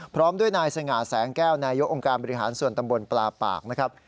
พร้อมด้วยนายสง่าแสงแก้วนายกองค์การบริหารส่วนตำบลปลาปากนะครับ